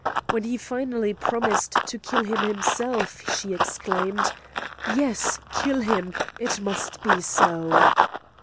When he finally promised to kill him himself, she exclaimed: "Yes! kill him! It must be so!"